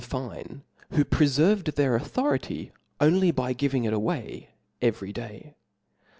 fine, who preferved their authority only by giving it * away every day.